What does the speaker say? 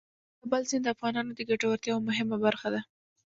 د کابل سیند د افغانانو د ګټورتیا یوه مهمه برخه ده.